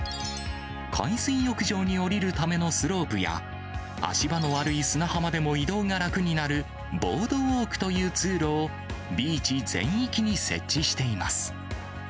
海水浴場に下りるためのスロープや、足場の悪い砂浜でも移動が楽になるボードウオークという通路を、ビーチ全域に設置しています。